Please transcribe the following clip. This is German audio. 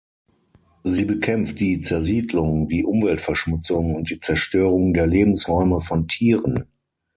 Sie bekämpft die Zersiedlung, die Umweltverschmutzung und die Zerstörung der Lebensräume von Tieren.